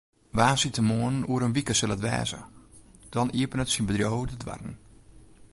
Woansdeitemoarn oer in wike sil it wêze, dan iepenet syn bedriuw de doarren.